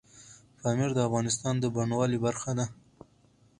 پامیر د افغانستان د بڼوالۍ برخه ده.